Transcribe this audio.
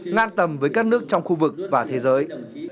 ngang tầm với các nước trong khu vực và thế giới